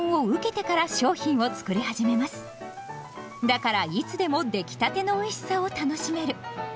だからいつでも出来たてのおいしさを楽しめる。